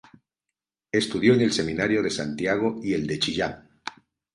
Estudió en el Seminario de Santiago y el de Chillán.